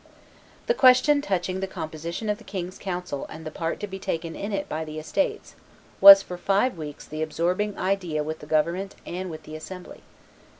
The question touching the composition of the king's council and the part to be taken in it by the estates was for five weeks the absorbing idea with the government and with the assembly.